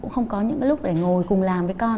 không có những cái lúc để ngồi cùng làm với con